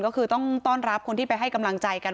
ก็คือต้องต้อนรับคนที่ไปให้กำลังใจกัน